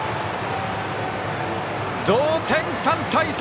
同点、３対３。